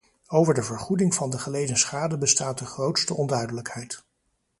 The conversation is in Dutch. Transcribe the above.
Over de vergoeding van de geleden schade bestaat de grootste onduidelijkheid.